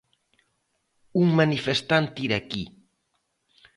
Un manifestante iraquí.